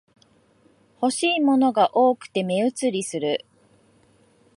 欲しいものが多くて目移りする